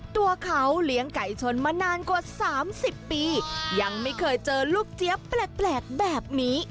ตัวเขาเลี้ยงไก่ชนมานานกว่า๓๐ปียังไม่เคยเจอลูกเจี๊ยบแปลกแบบนี้